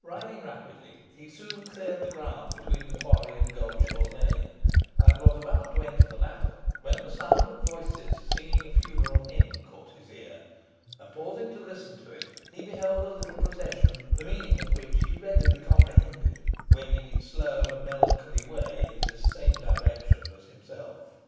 Riding rapidly, he soon cleared the ground between the quarry and Goldshaw Lane, and was about to enter the latter, when the sound of voices singing a funeral hymn caught his ear, and, pausing to listen to it, he beheld a little procession, the meaning of which he readily comprehended, wending its slow and melancholy way in the same direction as himself.